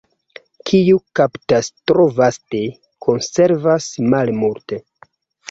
Kiu kaptas tro vaste, konservas malmulte.